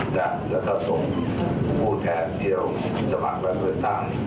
และท่าสมผู้แพทย์เดียวสมัครกว่าการตรวจสาม